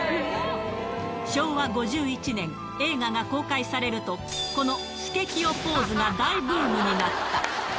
昭和５１年、映画が公開されると、このスケキヨポーズが大ブームになった。